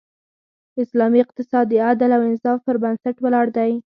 اسلامی اقتصاد د عدل او انصاف پر بنسټ ولاړ دی.